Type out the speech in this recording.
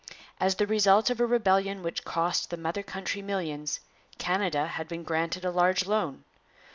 As the result of a rebellion which cost the mother country millions, Canada had been granted a large loan.